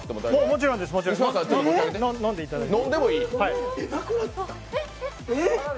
もちろんです飲んでいただいて。